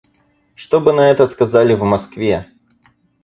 Что бы на это сказали в Москве?